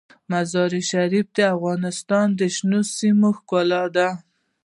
مزارشریف د افغانستان د شنو سیمو ښکلا ده.